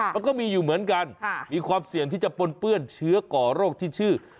มันก็มีอยู่เหมือนกันมีความเสี่ยงที่จะปนเปื้อนเชื้อก่อโรคที่ชื่อ